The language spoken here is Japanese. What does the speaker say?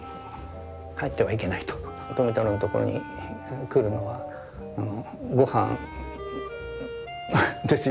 富太郎のところに来るのは「ごはんですよ」って。